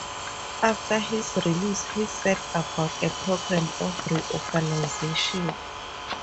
After his release, he set about a programme of reorganisation.